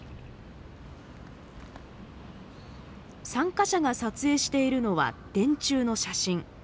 参加者が撮影しているのは電柱の写真。